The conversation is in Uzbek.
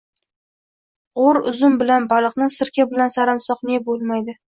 G‘o‘r uzum bilan baliqni, sirka bilan sarimsoqni yeb bo‘lmaydi.